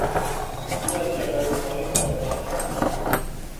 او از کمر به پایین فلج شده است.